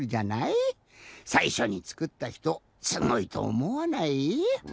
さいしょにつくったひとすごいとおもわない？